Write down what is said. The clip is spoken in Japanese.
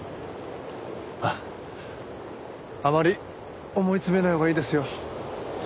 あっあまり思い詰めないほうがいいですよ。